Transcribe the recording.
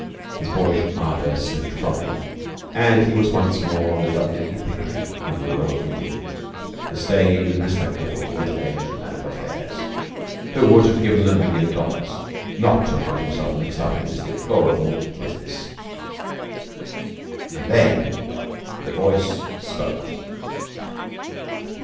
His boyish ardour slipped from him, and he was once more the Dudley Pickering whom the world knew, the staid and respectable middle aged man of affairs, who would have given a million dollars not to have got himself mixed up in this deplorable business. And then the voice spoke.